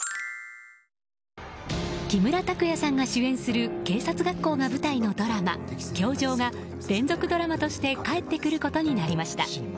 木村拓哉さんが主演する警察学校が舞台のドラマ「教場」が連続ドラマとして帰ってくることになりました。